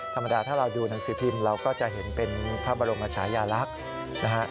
ธรรมดาถ้าเราดูหนังสือพิมพ์เราก็จะเห็นเป็นพระบรมชายาลักษณ์นะฮะ